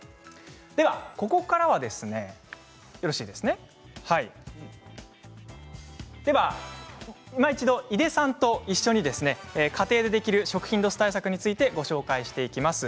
ここからはいま一度井出さんと一緒に家庭でできる食品ロス対策についてお伝えしていきます。